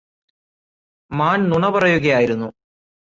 മാന് നുണപറയുകയായിരുന്നു